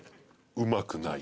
うまくない。